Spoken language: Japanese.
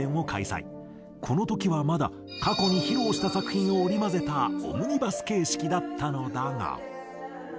この時はまだ過去に披露した作品を織り交ぜたオムニバス形式だったのだが。